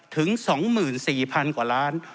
ถึง๒๔๐๐๐กว่าล้าน